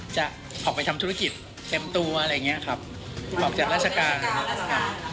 จะออกไปทำธุรกิจเต็มตัวอะไรอย่างเงี้ยครับออกจากราชการครับ